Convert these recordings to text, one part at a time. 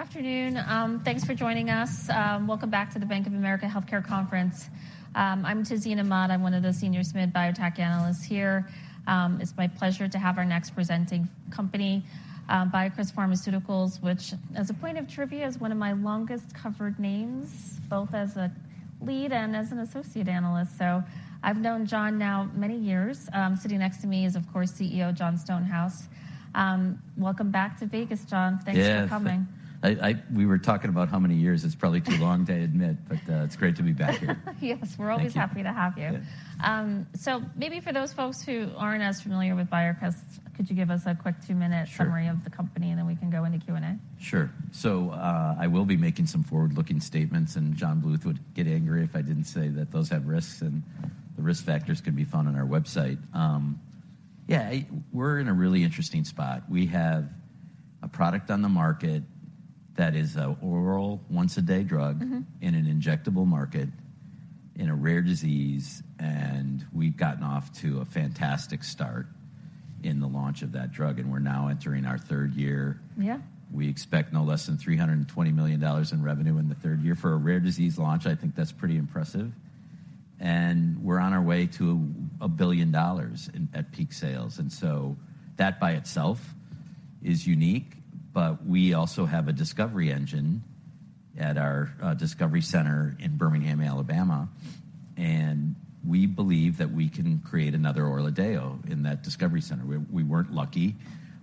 Afternoon. Thanks for joining us. Welcome back to the Bank of America Healthcare Conference. I'm Jason Gerberry. I'm one of the senior SMID biotech analysts here. It's my pleasure to have our next presenting company, BioCryst Pharmaceuticals, which, as a point of trivia, is one of my longest covered names, both as a lead and as an associate analyst. So I've known Jon now many years. Sitting next to me is, of corse, CEO Jon Stonehouse. Welcome back to Vegas, Jon. Yes. Thanks for coming. We were talking about how many years. It's probably too long to admit, but it's great to be back here. Yes. Thank you. We're always happy to have you. Yeah. Maybe for those folks who aren't as familiar with BioCryst, could you give us a quick two-minute... Sure. ...summary of the company, and then we can go into Q&A? Sure. I will be making some forward-looking statements. John Bluth would get angry if I didn't say that those have risks. The risk factors can be found on our website. Yeah, we're in a really interesting spot. We have a product on the market that is a oral once-a-day drug. Mm-hmm. In an injectable market in a rare disease, and we've gotten off to a fantastic start in the launch of that drug, and we're now entering our third year. Yeah. We expect no less than $320 million in revenue in the third year. For a rare disease launch, I think that's pretty impressive. We're on our way to $1 billion at peak sales. That by itself is unique, but we also have a discovery engine at our discovery center in Birmingham, Alabama, and we believe that we can create another ORLADEYO in that discovery center. We weren't lucky.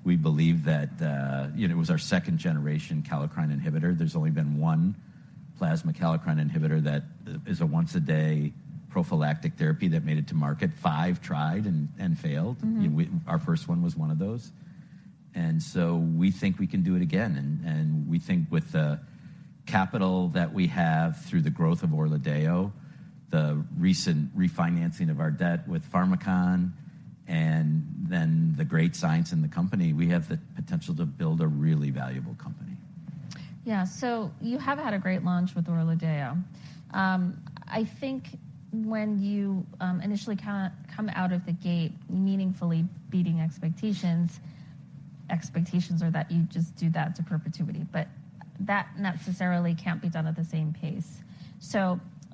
We believe that, you know, it was our second-generation kallikrein inhibitor. There's only been one plasma kallikrein inhibitor that is a once-a-day prophylactic therapy that made it to market. Five tried and failed. Mm-hmm. Our first one was one of those. We think we can do it again. We think with the capital that we have through the growth of ORLADEYO, the recent refinancing of our debt with Pharmakon, and then the great science in the company, we have the potential to build a really valuable company. Yeah. You have had a great launch with ORLADEYO. I think when you initially come out of the gate meaningfully beating expectations are that you just do that to perpetuity. That necessarily can't be done at the same pace.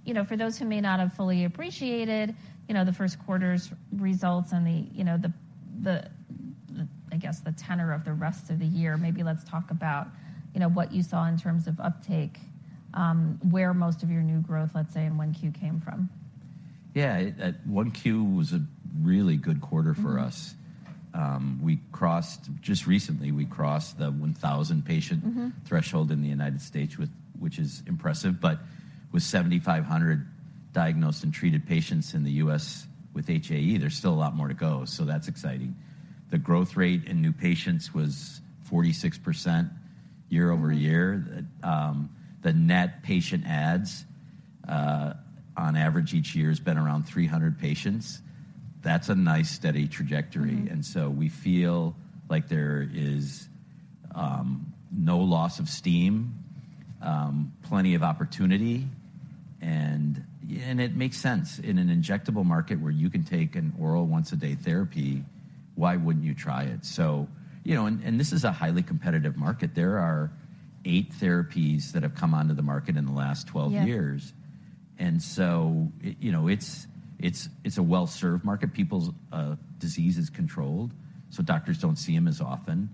You know, for those who may not have fully appreciated, you know, the first quarter's results and the, you know, the, I guess, the tenor of the rest of the year, maybe let's talk about, you know, what you saw in terms of uptake, where most of your new growth, let's say, in 1Q came from. Yeah. 1 Q was a really good quarter for us. Mm-hmm. Just recently, we crossed the 1,000 patient- Mm-hmm. threshold in the United States which is impressive. With 7,500 diagnosed and treated patients in the U.S. with HAE, there's still a lot more to go. That's exciting. The growth rate in new patients was 46% year-over-year. Mm-hmm. The net patient adds, on average each year has been around 300 patients. That's a nice, steady trajectory. Mm-hmm. We feel like there is no loss of steam, plenty of opportunity, and it makes sense. In an injectable market where you can take an oral once-a-day therapy, why wouldn't you try it? You know, and this is a highly competitive market. There are eight therapies that have come onto the market in the last 12 years. Yeah. You know, it's a well-served market. People's disease is controlled, so doctors don't see them as often.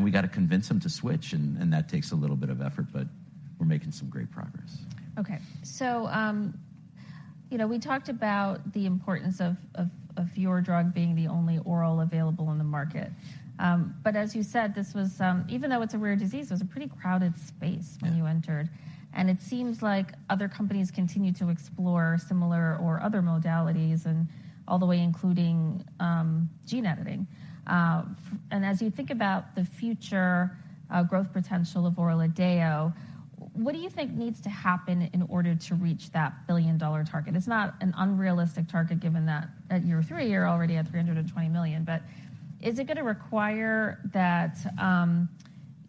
We gotta convince them to switch and that takes a little bit of effort, but we're making some great progress. Okay. You know, we talked about the importance of, of your drug being the only oral available on the market. As you said, this was, even though it's a rare disease, it was a pretty crowded space when you entered. Yeah. It seems like other companies continue to explore similar or other modalities and all the way including gene editing. As you think about the future, growth potential of ORLADEYO, what do you think needs to happen in order to reach that billion-dollar target? It's not an unrealistic target given that at year three, you're already at $320 million. Is it gonna require that,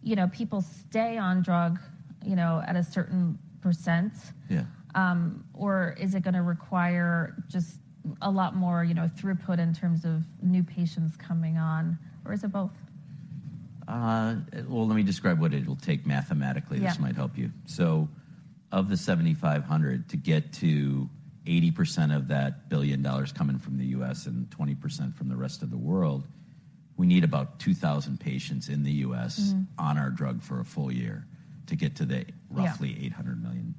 you know, people stay on drug, you know, at a certain %? Yeah. Is it gonna require just a lot more, you know, throughput in terms of new patients coming on, or is it both? Well, let me describe what it'll take mathematically. Yeah. This might help you. Of the 7,500 to get to 80% of that $1 billion coming from the U.S. and 20% from the rest of the world, we need about 2,000 patients in the U.S- Mm-hmm. on our drug for a full year to get to the- Yeah. -roughly $800 million.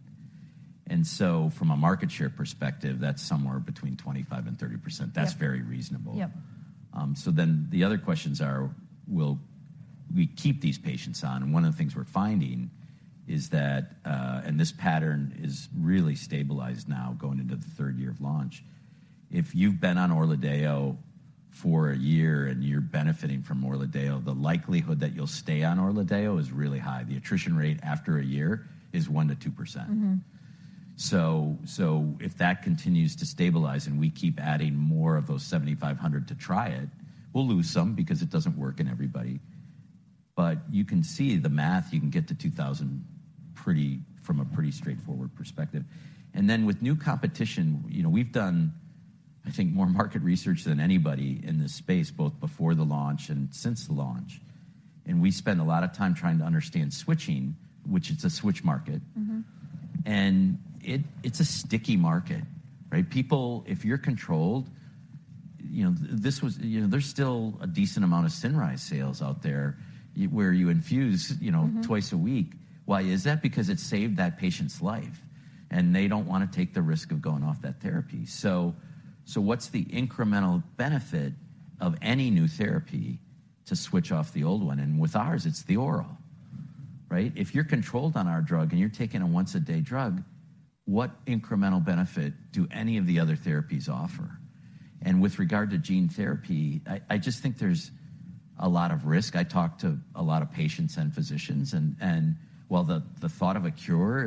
From a market share perspective, that's somewhere between 25% and 30%. Yeah. That's very reasonable. Yeah. The other questions are, will we keep these patients on? One of the things we're finding is that, and this pattern is really stabilized now going into the 3rd year of launch. If you've been on ORLADEYO for a year and you're benefiting from ORLADEYO, the likelihood that you'll stay on ORLADEYO is really high. The attrition rate after a year is 1%-2%. Mm-hmm. If that continues to stabilize and we keep adding more of those 7,500 to try it, we'll lose some because it doesn't work in everybody. You can see the math. You can get to 2,000 from a pretty straightforward perspective. Then with new competition, you know, we've done, I think, more market research than anybody in this space, both before the launch and since the launch. We spend a lot of time trying to understand switching, which it's a switch market. Mm-hmm. It's a sticky market, right? People, if you're controlled, you know, this was, you know, there's still a decent amount of CINRYZE sales out there where you infuse, you know... Mm-hmm... twice a week. Why is that? Because it saved that patient's life, and they don't wanna take the risk of going off that therapy. What's the incremental benefit of any new therapy to switch off the old one? With ours, it's the oral, right? If you're controlled on our drug and you're taking a once a day drug, what incremental benefit do any of the other therapies offer? With regard to gene therapy, I just think there's a lot of risk. I talk to a lot of patients and physicians, and while the thought of a cure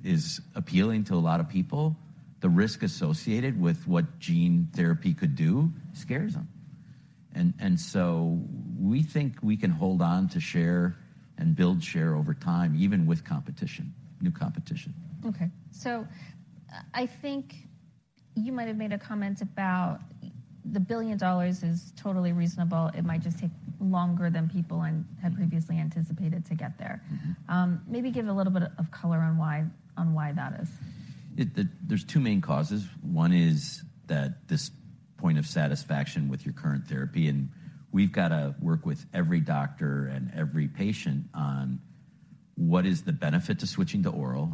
is appealing to a lot of people, the risk associated with what gene therapy could do scares them. We think we can hold on to share and build share over time, even with competition, new competition. I think you might have made a comment about the $1 billion is totally reasonable. It might just take longer than people had previously anticipated to get there. Mm-hmm. Maybe give a little bit of color on why that is. There's two main causes. One is that this point of satisfaction with your current therapy. We've gotta work with every doctor and every patient on what is the benefit to switching to oral.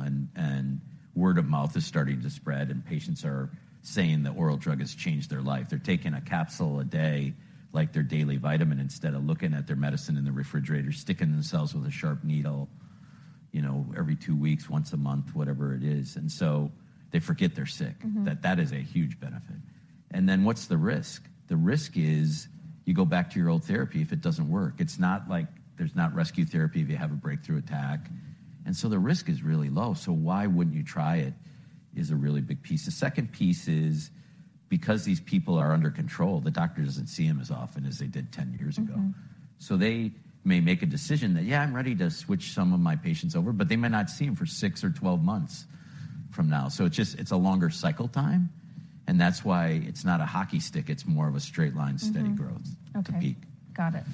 Word of mouth is starting to spread, and patients are saying the oral drug has changed their life. They're taking a capsule a day, like their daily vitamin, instead of looking at their medicine in the refrigerator, sticking themselves with a sharp needle, you know, every two weeks, once a month, whatever it is. They forget they're sick. Mm-hmm. That that is a huge benefit. What's the risk? The risk is you go back to your old therapy if it doesn't work. It's not like there's not rescue therapy if you have a breakthrough attack, the risk is really low. Why wouldn't you try it, is a really big piece. The second piece is because these people are under control, the doctor doesn't see them as often as they did 10 years ago. Mm-hmm. They may make a decision that, "Yeah, I'm ready to switch some of my patients over," but they might not see them for six or 12 months from now. It's just, it's a longer cycle time, and that's why it's not a hockey stick, it's more of a straight line steady growth- Mm-hmm. Okay. to peak. Got it.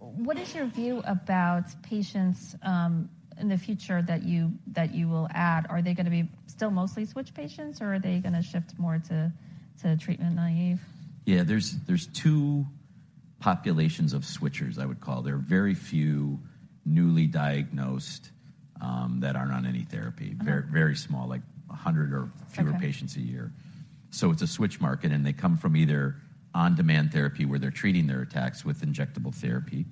What is your view about patients, in the future that you will add? Are they gonna be still mostly switch patients or are they gonna shift more to treatment naive? Yeah. There's two populations of switchers I would call. There are very few newly diagnosed that aren't on any therapy. Okay. Very, very small, like 100- Okay fewer patients a year. It's a switch market and they come from either on-demand therapy where they're treating their attacks with injectable therapy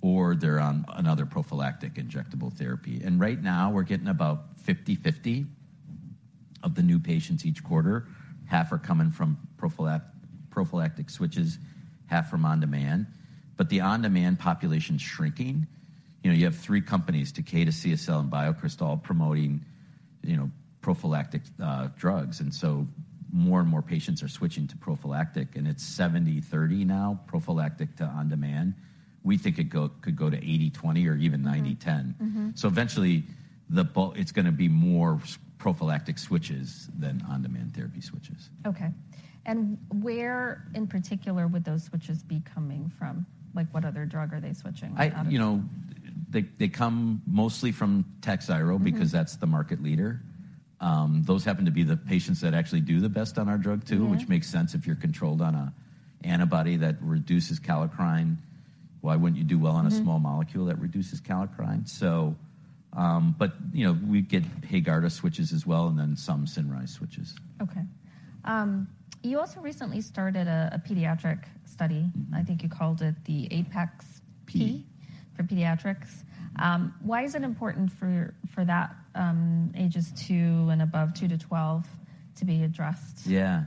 or they're on another prophylactic injectable therapy. Right now we're getting about 50/50 of the new patients each quarter. Half are coming from prophylactic switches, half from on-demand. The on-demand population's shrinking. You know, you have three companies, Takeda, CSL, and BioCryst all promoting, you know, prophylactic drugs. So more and more patients are switching to prophylactic and it's 70/30 now, prophylactic to on-demand. We think it could go to 80/20 or even- Mm-hmm 90/10. Mm-hmm. Eventually it's gonna be more prophylactic switches than on-demand therapy switches. Okay. Where in particular would those switches be coming from? Like, what other drug are they switching out of? You know, they come mostly from TAKHZYRO... Mm-hmm... because that's the market leader. Those happen to be the patients that actually do the best on our drug too- Yeah which makes sense if you're controlled on an antibody that reduces kallikrein. Why wouldn't you do well... Mm-hmm... on a small molecule that reduces kallikrein? You know, we get HAEGARDA switches as well, and then some CINRYZE switches. You also recently started a pediatric study. Mm-hmm. I think you called it the APeX-P. P... for pediatrics. Why is it important for that, ages two and above, 2-12 to be addressed? Yeah.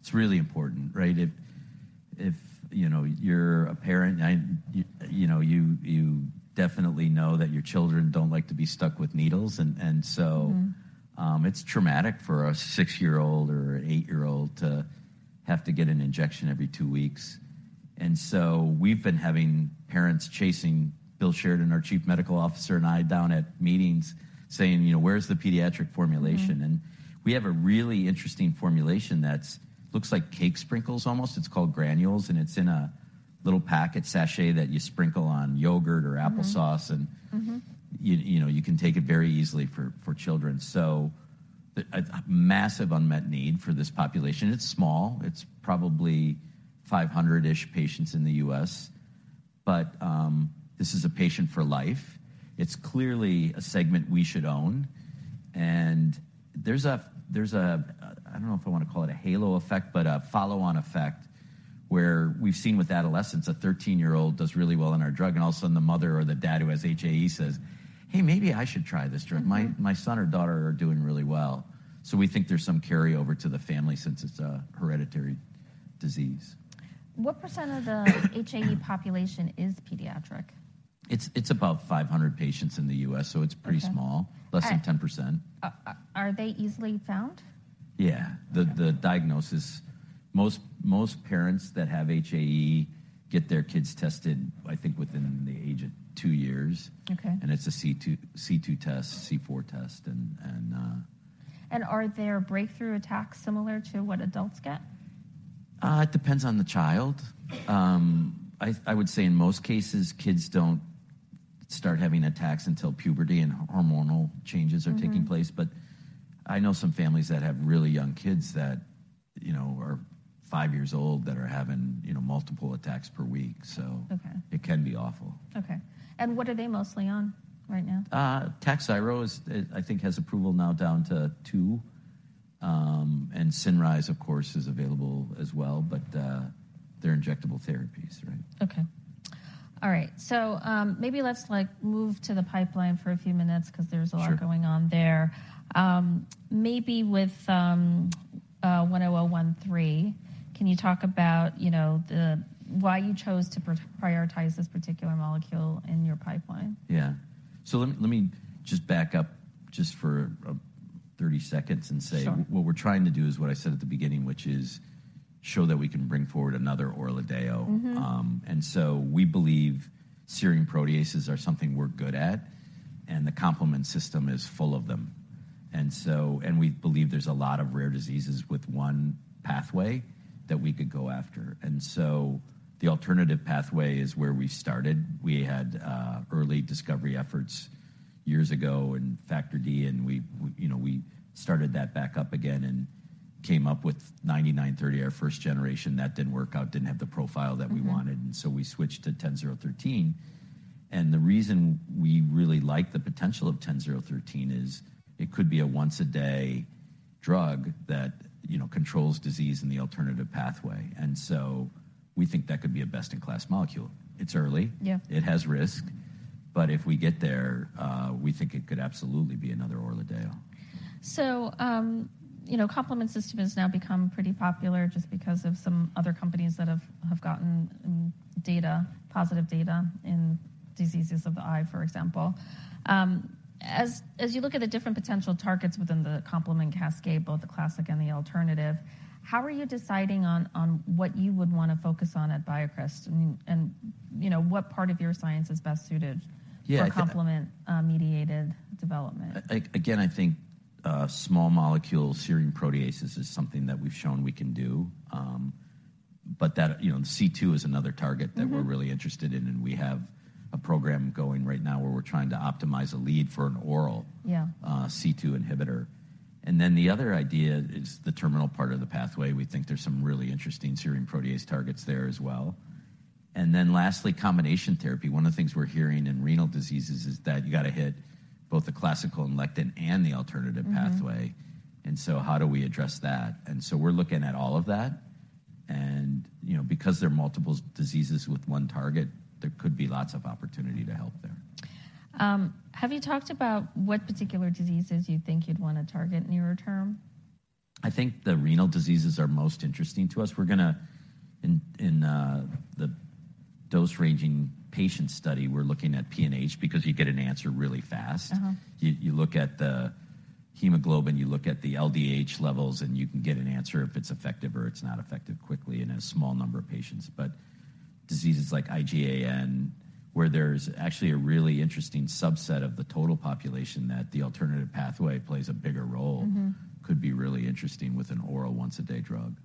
It's really important, right? If, you know, you're a parent, you know, you definitely know that your children don't like to be stuck with needles... Mm-hmm ...it's traumatic for a six-year-old or an eight-year-old to have to get an injection every two weeks. We've been having parents chasing Bill Sheridan, our Chief Medical Officer, and I down at meetings saying, you know, "Where's the pediatric formulation? Mm-hmm. We have a really interesting formulation that's looks like cake sprinkles almost. It's called granules, and it's in a little packet sachet that you sprinkle on yogurt or applesauce... Mm-hmm... you know, you can take it very easily for children. A massive unmet need for this population. It's small. It's probably 500-ish patients in the U.S., but this is a patient for life. It's clearly a segment we should own. There's a, I don't know if I wanna call it a halo effect, but a follow-on effect where we've seen with adolescents, a 13-year-old does really well on our drug, and all of a sudden the mother or the dad who has HAE says, "Hey, maybe I should try this drug. Mm-hmm. My son or daughter are doing really well. We think there's some carryover to the family since it's a hereditary disease. What % of the HAE population is pediatric? It's about 500 patients in the U.S., so it's pretty small. Okay. Less than 10%. Are they easily found? Yeah. Most parents that have HAE get their kids tested, I think, within the age of two years. Okay. It's a C2 test, C4 test and Are there breakthrough attacks similar to what adults get? It depends on the child. I would say in most cases, kids don't start having attacks until puberty and hormonal changes... Mm-hmm. are taking place. I know some families that have really young kids that, you know, are five years old that are having, you know, multiple attacks per week. Okay. It can be awful. Okay. What are they mostly on right now? TAKHZYRO is I think has approval now down to two. CINRYZE, of course, is available as well, but they're injectable therapies, right? Okay. All right. Maybe let's, like, move to the pipeline for a few minutes 'cause there's a lot. Sure. going on there. maybe with BCX10013, can you talk about, you know, why you chose to prioritize this particular molecule in your pipeline? Yeah. let me just back up just for, 30 seconds and- Sure. What we're trying to do is what I said at the beginning, which is show that we can bring forward another ORLADEYO. Mm-hmm. We believe serine proteases are something we're good at, and the complement system is full of them. We believe there's a lot of rare diseases with one pathway that we could go after. The alternative pathway is where we started. We had early discovery efforts years ago in Factor D, and we, you know, we started that back up again and came up with 9930, our first generation. That didn't work out, didn't have the profile that we wanted. Mm-hmm. We switched to 10013. The reason we really like the potential of 10013 is it could be a once-a-day drug that, you know, controls disease in the alternative pathway. We think that could be a best-in-class molecule. It's early. Yeah. It has risk. If we get there, we think it could absolutely be another ORLADEYO. you know, complement system has now become pretty popular just because of some other companies that have gotten, data, positive data in diseases of the eye, for example. As you look at the different potential targets within the complement cascade, both the classic and the alternative, how are you deciding on what you would wanna focus on at BioCryst? I mean, and, you know, what part of your science is best suited. Yeah. for complement, mediated development? Again, I think, small molecule serine proteases is something that we've shown we can do. That, you know, C2 is another target... Mm-hmm. that we're really interested in, and we have a program going right now where we're trying to optimize a lead for an oral- Yeah. C2 inhibitor. The other idea is the terminal part of the pathway. We think there's some really interesting serine protease targets there as well. Lastly, combination therapy. One of the things we're hearing in renal diseases is that you gotta hit both the classical and lectin and the alternative pathway. Mm-hmm. How do we address that? We're looking at all of that. You know, because there are multiple diseases with one target, there could be lots of opportunity to help there. Have you talked about what particular diseases you think you'd wanna target nearer term? I think the renal diseases are most interesting to us. In the dose-ranging patient study, we're looking at PNH because you get an answer really fast. Uh-huh. You look at the hemoglobin, you look at the LDH levels. You can get an answer if it's effective or it's not effective quickly in a small number of patients. Diseases like IgAN, where there's actually a really interesting subset of the total population that the alternative pathway plays a bigger role Mm-hmm. -could be really interesting with an oral once-a-day drug.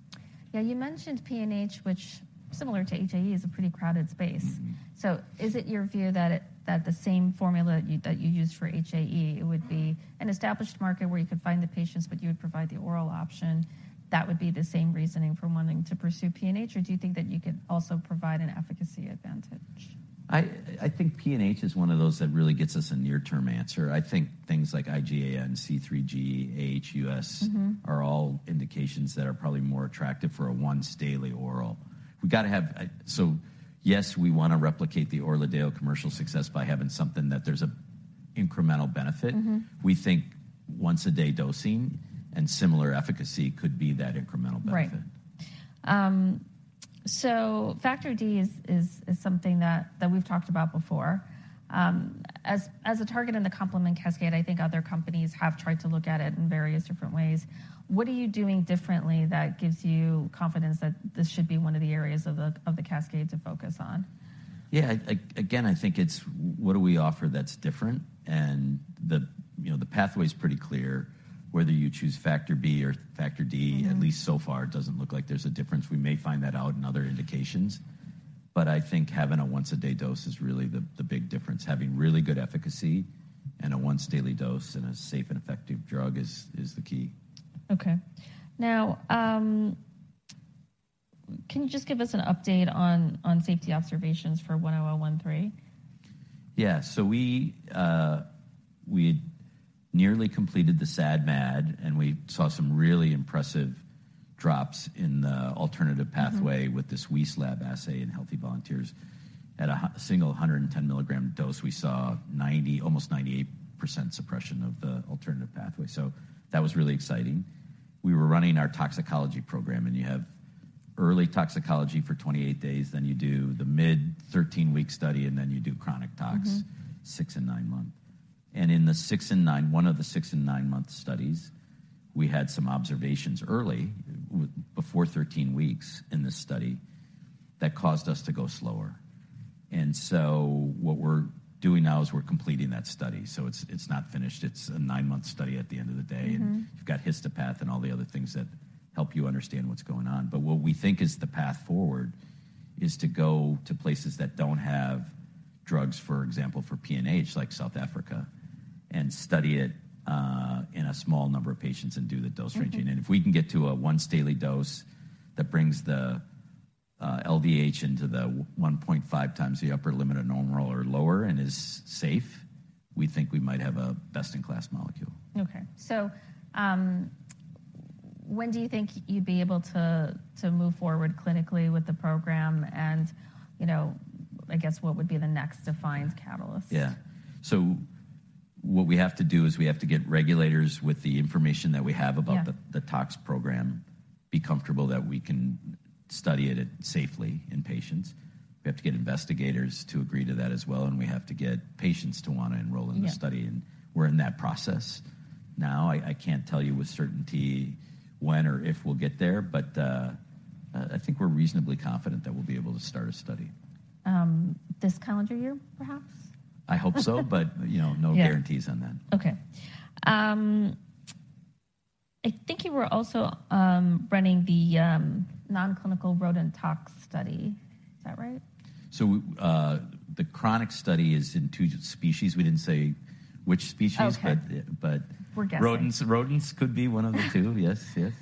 Yeah, you mentioned PNH, which similar to HAE, is a pretty crowded space. Mm-hmm. Is it your view that the same formula you used for HAE would be an established market where you could find the patients, but you would provide the oral option? That would be the same reasoning for wanting to pursue PNH? Do you think that you could also provide an efficacy advantage? I think PNH is one of those that really gets us a near-term answer. I think things like IgAN, C3G, aHUS. Mm-hmm. Are all indications that are probably more attractive for a once-daily oral. Yes, we wanna replicate the ORLADEYO commercial success by having something that there's an incremental benefit. Mm-hmm. We think once-a-day dosing and similar efficacy could be that incremental benefit. Factor D is something that we've talked about before. As a target in the complement cascade, I think other companies have tried to look at it in various different ways. What are you doing differently that gives you confidence that this should be one of the areas of the cascade to focus on? Yeah. Again, I think it's what do we offer that's different? The, you know, the pathway is pretty clear. Whether you choose Factor B or Factor D. Mm-hmm. At least so far, it doesn't look like there's a difference. We may find that out in other indications, I think having a once-a-day dose is really the big difference. Having really good efficacy and a once daily dose and a safe and effective drug is the key. Okay. Now, can you just give us an update on safety observations for 10013? Yeah. We nearly completed the SAD/MAD, and we saw some really impressive drops in the alternative pathway. Mm-hmm. With this Wieslab assay in healthy volunteers. At a single 110 mg dose, we saw almost 98% suppression of the Alternative Pathway. That was really exciting. We were running our toxicology program, and you have early toxicology for 28 days, then you do the mid 13-week study, and then you do chronic tox- Mm-hmm. six and nine month. In the six and nine, one of the six and nine-month studies, we had some observations early before 13 weeks in this study that caused us to go slower. What we're doing now is we're completing that study, so it's not finished. It's a nine-month study at the end of the day. Mm-hmm. You've got histopath and all the other things that help you understand what's going on. What we think is the path forward is to go to places that don't have drugs, for example, for PNH, like South Africa, and study it in a small number of patients and do the dose-ranging. Mm-hmm. If we can get to a once daily dose that brings the LDH into the 1.5x the upper limit of normal or lower and is safe, we think we might have a best-in-class molecule. Okay. When do you think you'd be able to move forward clinically with the program? You know, I guess, what would be the next defined catalyst? Yeah. What we have to do is we have to get regulators with the information that we have about... Yeah the tox program be comfortable that we can study it safely in patients. We have to get investigators to agree to that as well, we have to get patients to wanna enroll in the study. Yeah. We're in that process now. I can't tell you with certainty when or if we'll get there, but I think we're reasonably confident that we'll be able to start a study. This calendar year, perhaps? I hope so, but, you know, no guarantees on that. Yeah. Okay. I think you were also running the non-clinical rodent tox study. Is that right? The chronic study is in two species. We didn't say which species. Okay. but- We're guessing. Rodents, rodents could be one of the two. Yes, yes.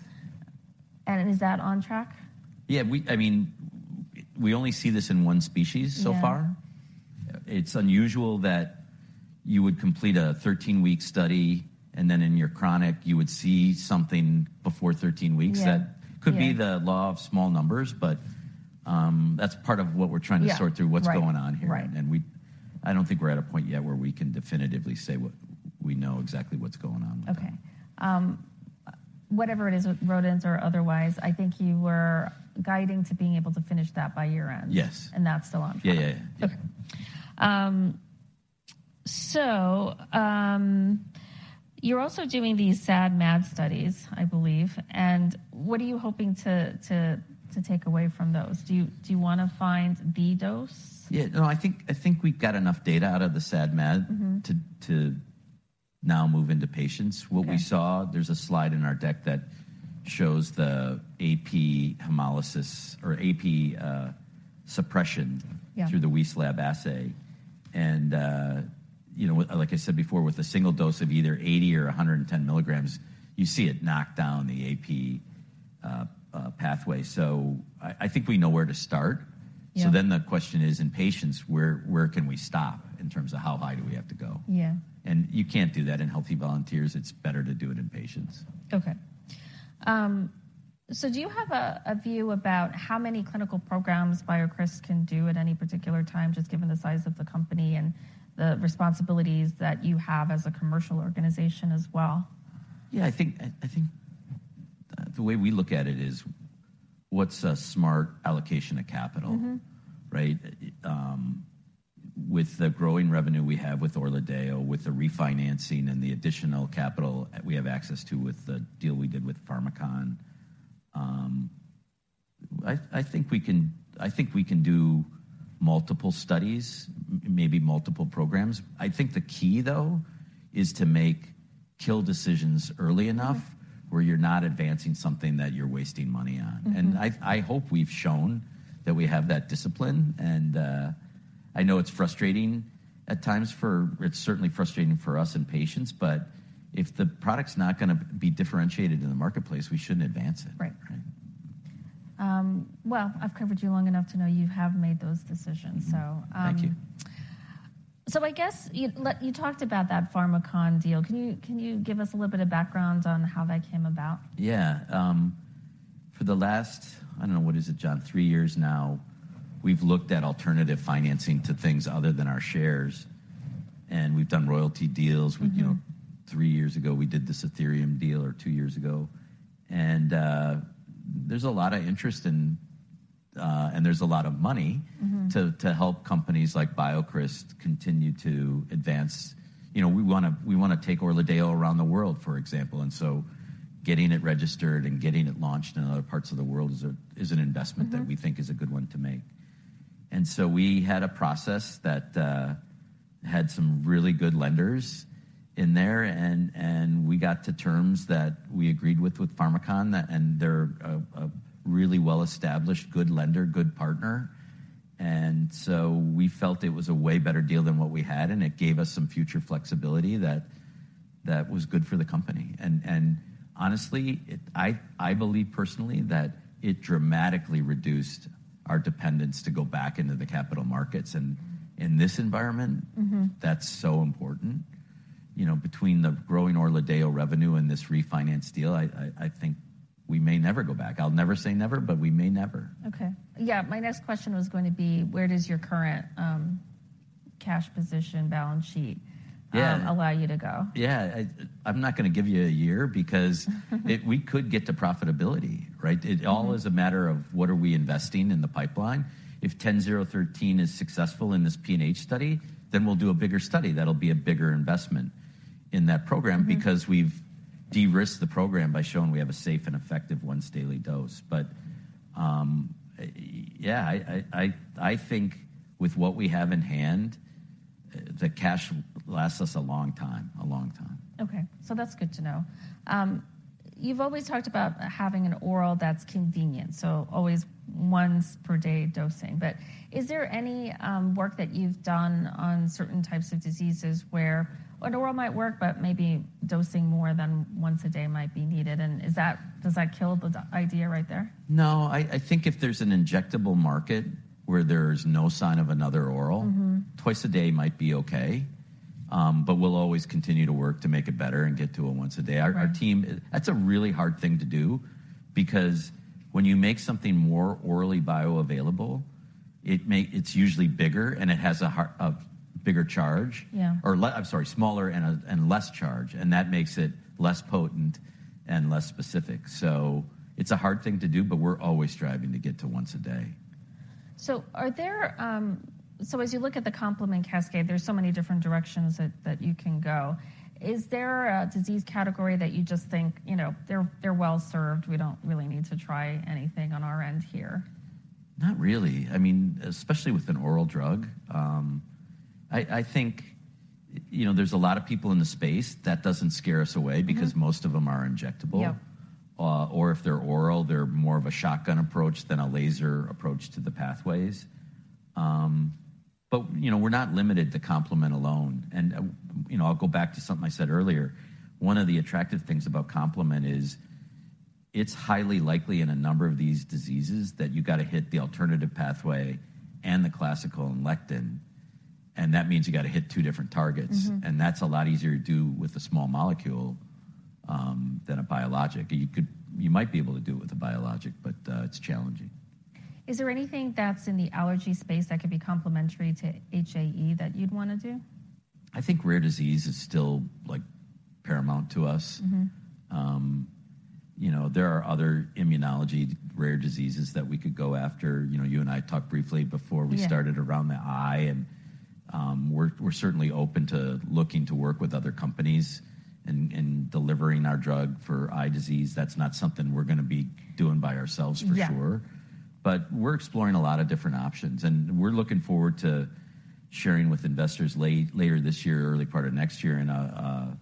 Is that on track? Yeah, I mean, we only see this in one species so far. Yeah. It's unusual that you would complete a 13-week study, and then in your chronic you would see something before 13 weeks. Yeah, yeah. That could be the law of small numbers, but, that's part of what we're trying to sort through- Yeah, right. what's going on here. We don't think we're at a point yet where we can definitively say we know exactly what's going on with that. Okay. Whatever it is, rodents or otherwise, I think you were guiding to being able to finish that by year-end. Yes. That's still on track. Yeah, yeah. Okay. You're also doing these SAD/MAD studies, I believe. What are you hoping to take away from those? Do you wanna find the dose? Yeah. No, I think we've got enough data out of the SAD/MAD- Mm-hmm to now move into patients. Yeah. What we saw, there's a slide in our deck that shows the AP hemolysis or AP suppression... Yeah... through the Wieslab assay. You know, like I said before, with a single dose of either 80 or 110 mg, you see it knock down the AP pathway. I think we know where to start. Yeah. The question is, in patients, where can we stop in terms of how high do we have to go? Yeah. You can't do that in healthy volunteers. It's better to do it in patients. Okay. Do you have a view about how many clinical programs BioCryst can do at any particular time, just given the size of the company and the responsibilities that you have as a commercial organization as well? Yeah, I think, I think the way we look at it is what's a smart allocation of capital? Mm-hmm. Right? With the growing revenue we have with ORLADEYO, with the refinancing and the additional capital we have access to with the deal we did with Pharmakon, I think we can, I think we can do multiple studies, maybe multiple programs. I think the key, though, is to make kill decisions early enough- Mm-hmm... where you're not advancing something that you're wasting money on. Mm-hmm. I hope we've shown that we have that discipline. I know it's frustrating at times for, it's certainly frustrating for us in patients, but if the product's not gonna be differentiated in the marketplace, we shouldn't advance it. Right. Right. Well, I've covered you long enough to know you have made those decisions. Mm-hmm. So, um- Thank you. I guess you talked about that Pharmakon deal. Can you give us a little bit of background on how that came about? For the last, I don't know, what is it, John? Three years now, we've looked at alternative financing to things other than our shares, and we've done royalty deals with- Mm-hmm... you know, three years ago, we did this Athyrium deal, or two years ago. There's a lot of interest and there's a lot of. Mm-hmm... to help companies like BioCryst continue to advance. You know, we wanna take ORLADEYO around the world, for example. Getting it registered and getting it launched in other parts of the world is an investment. Mm-hmm... that we think is a good one to make. We had a process that had some really good lenders in there and we got to terms that we agreed with Pharmakon. They're a really well-established, good lender, good partner. We felt it was a way better deal than what we had, and it gave us some future flexibility that was good for the company. Honestly, I believe personally that it dramatically reduced our dependence to go back into the capital markets. In this environment. Mm-hmm... that's so important. You know, between the growing ORLADEYO revenue and this refinance deal, I think we may never go back. I'll never say never, but we may never. Okay. Yeah, my next question was going to be, where does your current cash position balance sheet... Yeah... allow you to go? Yeah. I'm not gonna give you a year because we could get to profitability, right? Mm-hmm. It all is a matter of what are we investing in the pipeline. If BCX10013 is successful in this PNH study, we'll do a bigger study. That'll be a bigger investment in that program. Mm-hmm... because De-risk the program by showing we have a safe and effective once daily dose. Yeah, I think with what we have in hand, the cash lasts us a long time. A long time. That's good to know. You've always talked about having an oral that's convenient, always once per day dosing. Is there any work that you've done on certain types of diseases where an oral might work but maybe dosing more than once a day might be needed? Is that... Does that kill the idea right there? No, I think if there's an injectable market where there's no sign of another. Mm-hmm. twice a day might be okay. We'll always continue to work to make it better and get to a once a day. Right. Our team. That's a really hard thing to do because when you make something more orally bioavailable, it's usually bigger and it has a bigger charge. Yeah. I'm sorry, smaller and less charge, and that makes it less potent and less specific. It's a hard thing to do, but we're always striving to get to once a day. As you look at the complement cascade, there's so many different directions that you can go. Is there a disease category that you just think, you know, they're well-served, we don't really need to try anything on our end here? Not really. I mean, especially with an oral drug, I think, you know, there's a lot of people in the space that doesn't scare us away. Mm-hmm. Because most of them are injectable. Yep. If they're oral, they're more of a shotgun approach than a laser approach to the pathways. You know, we're not limited to complement alone. You know, I'll go back to something I said earlier. One of the attractive things about complement is it's highly likely in a number of these diseases that you gotta hit the alternative pathway and the classical and lectin, and that means you gotta hit two different targets. Mm-hmm. That's a lot easier to do with a small molecule, than a biologic. You might be able to do it with a biologic, but, it's challenging. Is there anything that's in the allergy space that could be complementary to HAE that you'd wanna do? I think rare disease is still, like, paramount to us. Mm-hmm. You know, there are other immunology rare diseases that we could go after. You know, you and I talked briefly. Yeah. We started around the eye and we're certainly open to looking to work with other companies in delivering our drug for eye disease. That's not something we're gonna be doing by ourselves for sure. Yeah. We're exploring a lot of different options, and we're looking forward to sharing with investors later this year or early part of next year in an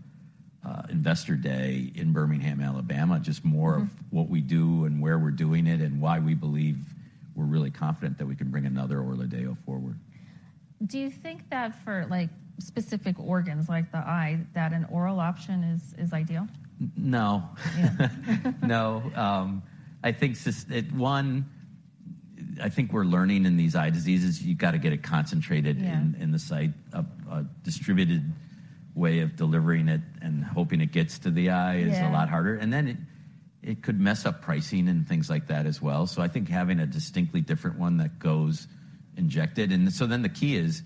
investor day in Birmingham, Alabama, just more... Mm-hmm. Of what we do and where we're doing it and why we believe we're really confident that we can bring another ORLADEYO forward. Do you think that for, like, specific organs like the eye, that an oral option is ideal? N-No. Yeah. No. I think one, I think we're learning in these eye diseases, you gotta get it concentrated... Yeah. in the site. A distributed way of delivering it and hoping it gets to the eye- Yeah. is a lot harder. It, it could mess up pricing and things like that as well. I think having a distinctly different one that goes injected. The key is,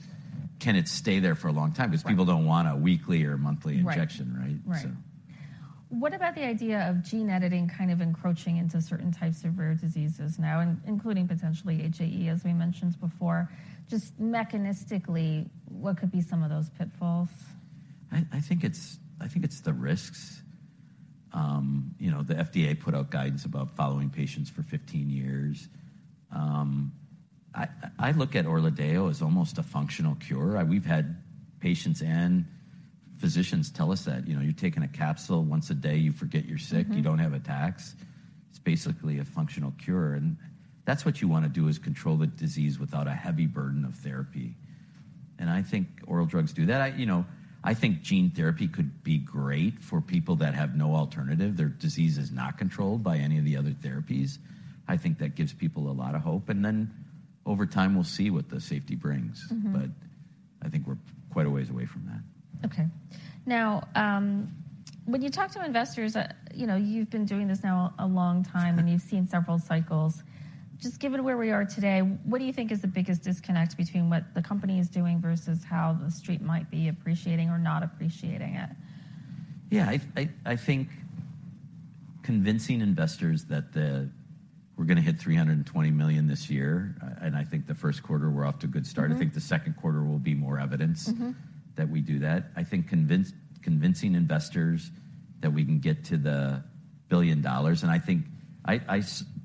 can it stay there for a long time? Right. 'Cause people don't want a weekly or monthly injection. Right. right? Right. What about the idea of gene editing kind of encroaching into certain types of rare diseases now, including potentially HAE, as we mentioned before? Just mechanistically, what could be some of those pitfalls? I think it's the risks. You know, the FDA put out guidance about following patients for 15 years. I look at ORLADEYO as almost a functional cure. We've had patients and physicians tell us that, you know, you're taking a capsule once a day, you forget you're sick. Mm-hmm. You don't have attacks. It's basically a functional cure. That's what you wanna do, is control the disease without a heavy burden of therapy, and I think oral drugs do that. I, you know, I think gene therapy could be great for people that have no alternative. Their disease is not controlled by any of the other therapies. I think that gives people a lot of hope. Over time, we'll see what the safety brings. Mm-hmm. I think we're quite a ways away from that. Okay. Now, when you talk to investors, you know, you've been doing this now a long time and you've seen several cycles. Just given where we are today, what do you think is the biggest disconnect between what the company is doing versus how the street might be appreciating or not appreciating it? Yeah, I think convincing investors that we're gonna hit $320 million this year, I think the first quarter we're off to a good start. Mm-hmm. I think the second quarter will be more evidence- Mm-hmm. that we do that. I think convincing investors that we can get to the $1 billion,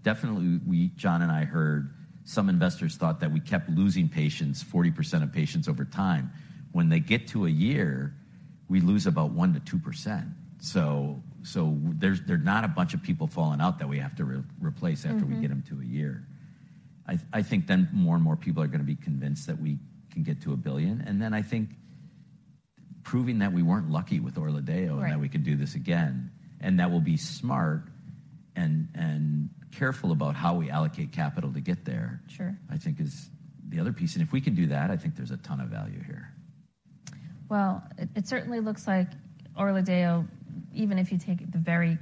definitely we, John Bluth and I heard some investors thought that we kept losing patients, 40% of patients over time. When they get to a year, we lose about 1%-2%. There's, they're not a bunch of people falling out that we have to replace. Mm-hmm. after we get them to a year. I think then more and more people are gonna be convinced that we can get to $1 billion. Then I think proving that we weren't lucky with ORLADEYO. Right. That we can do this again, and that we'll be smart and careful about how we allocate capital to get there. Sure. I think is the other piece. If we can do that, I think there's a ton of value here. Well, it certainly looks like ORLADEYO, even if you take the very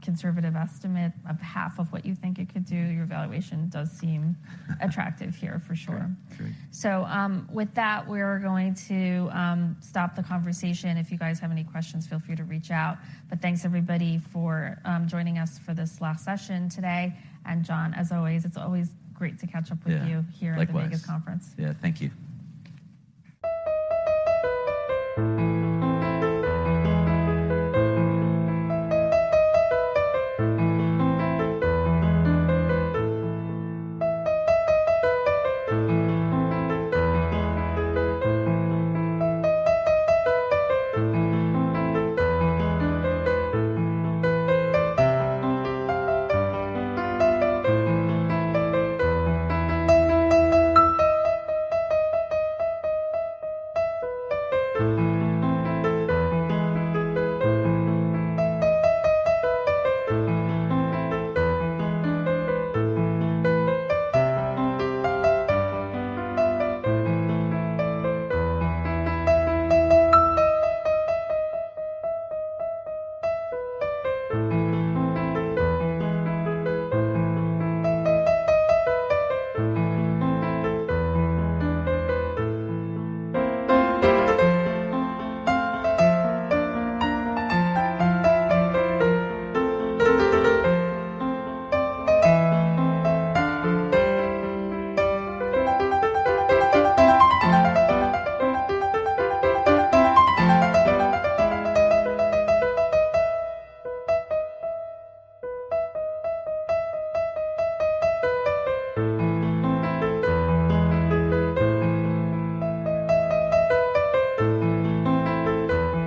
conservative estimate of half of what you think it could do, your valuation does seem attractive here for sure. Sure. Sure. With that, we're going to stop the conversation. If you guys have any questions, feel free to reach out. Thanks everybody for joining us for this last session today. Jon, as always, it's always great to catch up with you. Yeah. Likewise. Here at the Vegas conference. Yeah. Thank you.